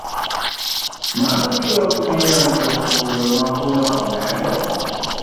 Mano biro miyo jopur ma kuno omed